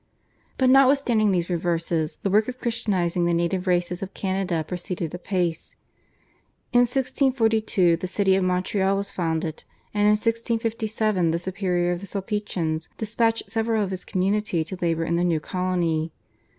But notwithstanding these reverses the work of Christianising the native races of Canada proceeded apace. In 1642 the city of Montreal was founded, and in 1657 the superior of the Sulpicians despatched several of his community to labour in the new colony.